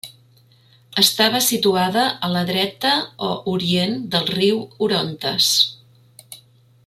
Estava situada a la dreta o orient del riu Orontes.